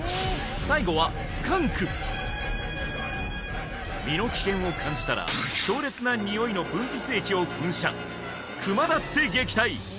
最後はスカンク身の危険を感じたら強烈なにおいの分泌液を噴射クマだって撃退！